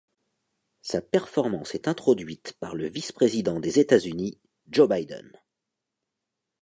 Sa performance est introduite par le vice-président des États-Unis, Joe Biden.